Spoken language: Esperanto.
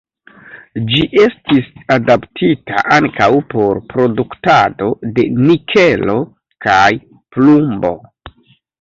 Ĝi estis adaptita ankaŭ por produktado de nikelo kaj plumbo.